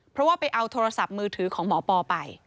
เพราะว่าไปเอาโทรศัพท์มือถือของหมอปอไป